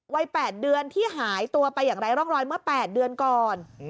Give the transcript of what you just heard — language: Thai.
วัย๘เดือนที่หายตัวไปอย่างไร้ร่องรอยเมื่อ๘เดือนก่อน